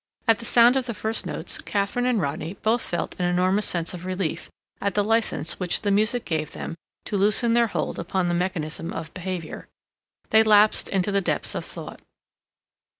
At the sound of the first notes Katharine and Rodney both felt an enormous sense of relief at the license which the music gave them to loosen their hold upon the mechanism of behavior. They lapsed into the depths of thought.